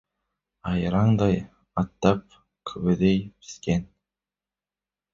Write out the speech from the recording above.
Айрандай аттап, күбідей піскен...